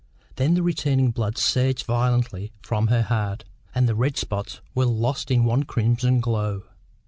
Then the returning blood surged violently from her heart, and the red spots were lost in one crimson glow.